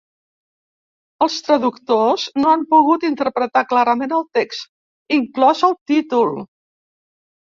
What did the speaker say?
Els traductors no han pogut interpretar clarament el text, inclòs el títol.